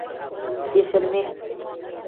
بې شرمې.